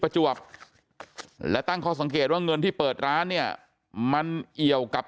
ประจวบและตั้งข้อสังเกตว่าเงินที่เปิดร้านเนี่ยมันเอี่ยวกับ